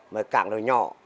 mà cảng nó nhỏ